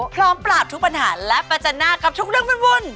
พร้อมปราบทุกปัญหาและประจันหน้ากับทุกเรื่องวุ่น